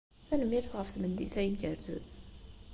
Tanemmirt ɣef tmeddit-a igerrzen.